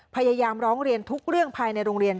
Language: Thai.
พยายามร้องเรียนทุกเรื่องภายในโรงเรียน